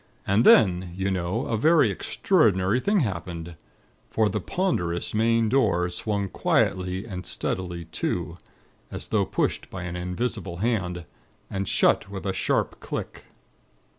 And then, you know a very extraordinary thing happened; for the ponderous main door swung quietly and steadily to, as though pushed by an invisible hand, and shut with a sharp click.